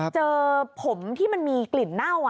เจอผมที่มันมีกลิ่นเน่า